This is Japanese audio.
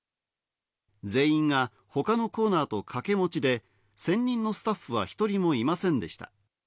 全員が他のコーナーと掛け持ちで専任のスタッフは１人もいませんでした。